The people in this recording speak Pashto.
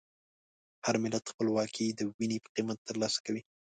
هر ملت خپلواکي د وینې په قیمت ترلاسه کوي.